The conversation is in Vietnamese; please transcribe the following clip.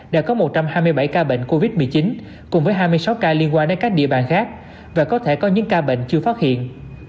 đã có một trăm hai mươi bảy ca bệnh covid một mươi chín cùng với hai mươi sáu ca liên quan đến các địa bàn khác và có thể có những ca bệnh chưa phát hiện